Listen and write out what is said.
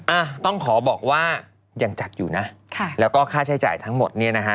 อ่ะต้องขอบอกว่ายังจัดอยู่นะค่ะแล้วก็ค่าใช้จ่ายทั้งหมดเนี่ยนะฮะ